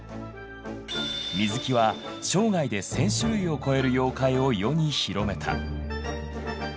水木は生涯で１，０００種類を超える妖怪を世に広めた。